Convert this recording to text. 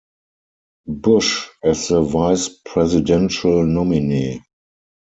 Bush, as the vice-presidential nominee.